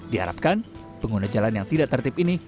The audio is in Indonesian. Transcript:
diharapkan pengguna jalan yang tidak tertib ini